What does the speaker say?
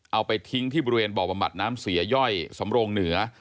เอาไปทิ้งที่บริเวณบ่อบำบัดน้ำเสียย่อยสำโรงเหนือ